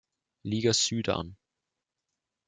Liga Süd an.